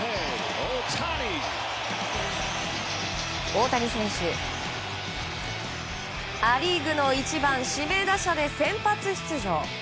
大谷選手、ア・リーグの１番指名打者で先発出場。